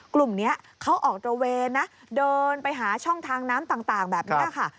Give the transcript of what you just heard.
กลุ่มนี้เขาออกตระเวนนะเดินไปหาช่องทางน้ำต่างแบบนี้ค่ะ